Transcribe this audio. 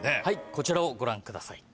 こちらをご覧ください。